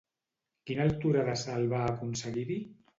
Quina altura de salt va aconseguir-hi?